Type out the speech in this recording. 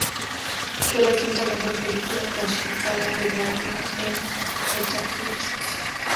Fue la quinta mejor película clasificada del año en Metacritic.